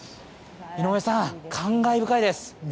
井上さん、感慨深いです。